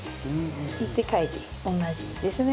行って帰って同じですね。